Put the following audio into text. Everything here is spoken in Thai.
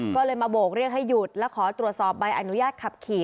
ก็เลยมาโบกเรียกให้หยุดแล้วขอตรวจสอบใบอนุญาตขับขี่